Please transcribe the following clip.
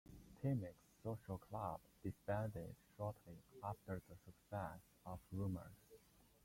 Timex Social Club disbanded shortly after the success of "Rumors".